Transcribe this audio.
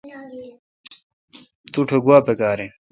توٹھ گوا پکار این۔